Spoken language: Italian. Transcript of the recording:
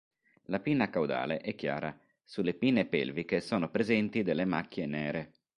La pinna caudale è chiara, sulle pinne pelviche sono presenti delle macchie nere.